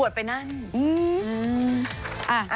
อวดไปนั่นนน